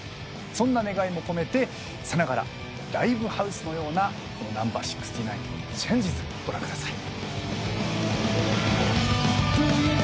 そんな願いも込めてさながらライブハウスのようなＮＡＭＢＡ６９の『ＣＨＡＮＧＥＳ』ご覧ください。